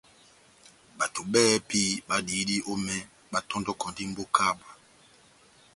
Bato bɛ́hɛ́pi badiyidi omɛ batɔndɔkɔndi mbóka yabu.